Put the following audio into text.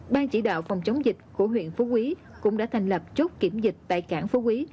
ban chỉ đạo phòng chống dịch của huyện phú quý cũng đã thành lập chốt kiểm dịch tại cảng phú quý